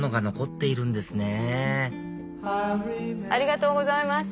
ありがとうございます。